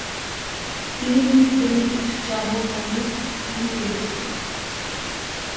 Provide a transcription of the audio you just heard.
তিনি Louis Benedict জামর নামে তিনি পরিচিত।